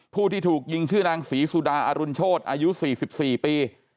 ผู้ที่ถูกยิงชื่อนางศรีสุดาอรุณโชธอายุ๔๔ปี